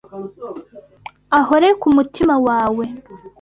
ahore ku mutima wawe,